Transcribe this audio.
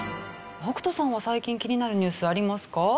北斗さんは最近気になるニュースありますか？